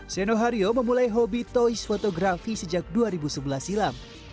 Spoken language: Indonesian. seno hario memulai hobi toys fotografi sejak dua ribu sebelas silam